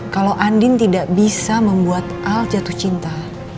kalau andin tidak bisa membuat al jatuh cinta